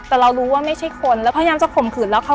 แต่เรารู้ว่าไม่ใช่คนแล้วพยายามจะขกขึดเรา